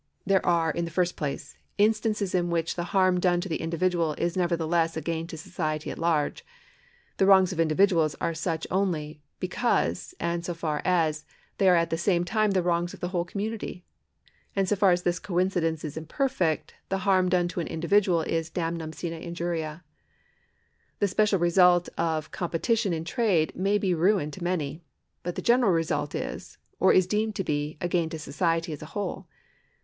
There are, in the first place, instances in which the harm done to the individual is nevertheless a gain to society at large. The wrongs of individuals are such only because, and only so far as, thejT^ are at the same time the wrongs of the whole com munity ; and so far as this coincidence is imperfect, the harm done to an individual is damnum sine injuria. The special result of competition in trade may be ruin to many ; but the general result is, or is deemed to be, a gain to society as a whole.